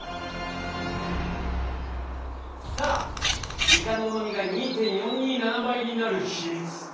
さあイカのうまみが２．４２７倍になる秘密。